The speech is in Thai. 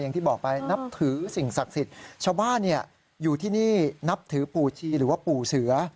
อย่างที่บอกไปนับถือสิ่งศักดิ์สิทธิ์ชาวบ้านอยู่ที่นี่นับถือปู่ชีหรือว่าปู่เสือ